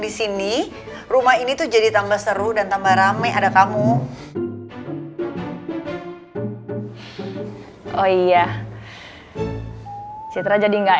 di sini rumah ini tuh jadi tambah seru dan tambah rame ada kamu oh iya citra jadi enggak